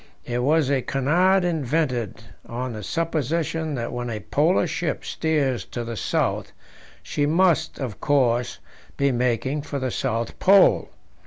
It was a canard invented on the supposition that when a Polar ship steers to the south, she must, of course, be making for the South Pole.